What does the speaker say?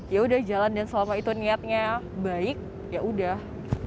ya sudah jalan dan selama itu niatnya baik ya sudah